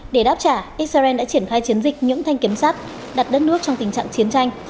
để đáp trả israel đã triển khai chiến dịch những thanh kiểm sát đặt đất nước trong tình trạng chiến tranh